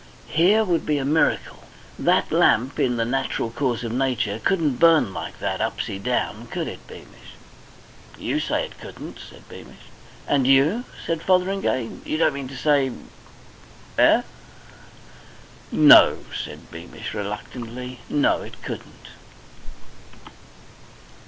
"Here would be a miracle. That lamp, in the natural course of nature, couldn't burn like that upsy down, could it, Beamish?" "You say it couldn't," said Beamish. "And you?" said Fotheringay. "You don't mean to say eh?" "No," said Beamish reluctantly. "No, it couldn't."